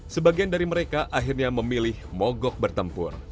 sebagian dari mereka akhirnya memilih mogok bertempur